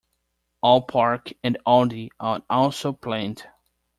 Aupark and Aldi are also planned.